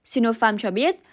sinopharm cho biết